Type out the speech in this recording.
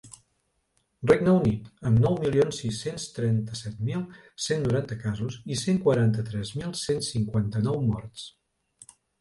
Regne Unit, amb nou milions sis-cents trenta-set mil cent noranta casos i cent quaranta-tres mil cent cinquanta-nou morts.